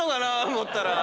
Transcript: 思ったら。